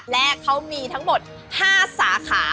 และเขามีทั้งหมด๕สาขา